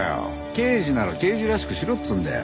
刑事なら刑事らしくしろっつーんだよ。